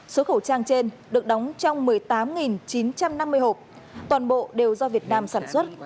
số khẩu trang trên được đóng trong một mươi tám chín trăm năm mươi hộp toàn bộ đều do việt nam sản xuất